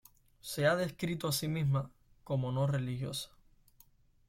Se ha descrito a sí misma como no religiosa.